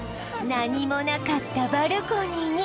何もなかったバルコニーに